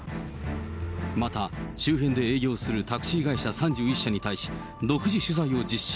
また、周辺で営業するタクシー会社３１社に対し、独自取材を実施。